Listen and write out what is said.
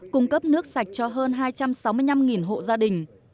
cung cấp nước sạch cho hơn hai trăm sáu mươi năm hộ gia đình